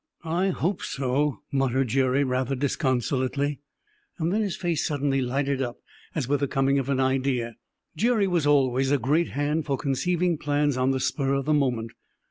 "I hope so," muttered Jerry rather disconsolately. Then his face suddenly lighted up, as with the coming of an idea. Jerry was always a great hand for conceiving plans on the spur of the moment.